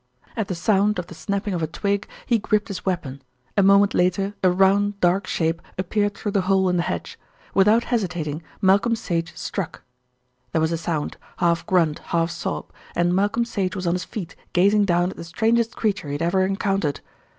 At the sound of the snapping of a twig, he gripped his weapon; a moment later a round, dark shape appeared through the hole in the hedge. Without hesitating Malcolm Sage struck. There was a sound, half grunt, half sob, and Malcolm Sage was on his feet gazing down at the strangest creature he had ever encountered.